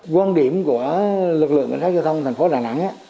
quan điểm của lực lượng khách giao thông thành phố đà nẵng